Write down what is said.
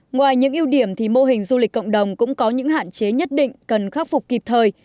ngoài những ưu điểm thì mô hình du lịch cộng đồng cũng có những hạn chế nhất định cần khắc phục kịp thời